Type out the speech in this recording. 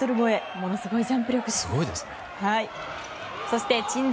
ものすごいジャンプ力です。